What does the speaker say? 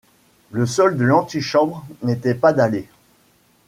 Le sol de l'antichambre n'était pas dallé.